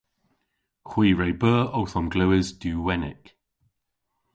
Hwi re beu owth omglewas duwenik.